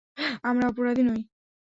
আমরা অপরাধী নই।